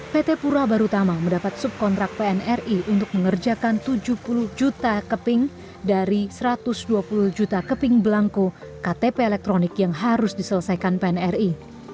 pt pura barutama mendapat subkontrak pnri untuk mengerjakan tujuh puluh juta keping dari satu ratus dua puluh juta keping belangko ktp elektronik yang harus diselesaikan pnri